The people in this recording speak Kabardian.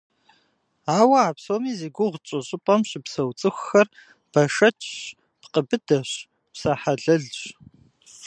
Ауэ а псоми зи гугъу тщӏы щӏыпӏэм щыпсэу цӏыхухэр бэшэчщ, пкъы быдэщ, псэ хьэлэлщ.